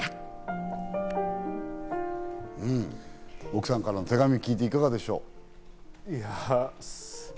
奥さんからの手紙、聞いていかがでしょう？